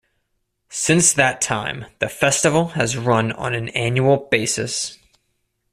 Since that time, the festival has run on an annual basis.